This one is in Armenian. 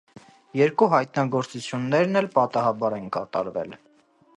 Երկու հայտնագործություններն էլ պատահաբար են կատարվել։